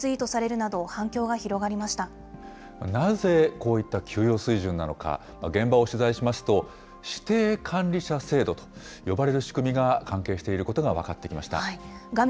なぜ、こういった給与水準なのか、現場を取材しますと、指定管理者制度と呼ばれる仕組みが関係していることが分かってき画面